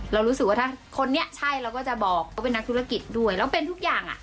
เรารู้สึกว่าถ้าคนนี้ใช่เราก็จะบอกเขาเป็นนักธุรกิจด้วยแล้วเป็นทุกอย่างอ่ะ